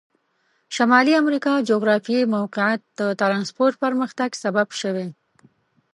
شمالي امریکا جغرافیایي موقعیت د ترانسپورت پرمختګ سبب شوي.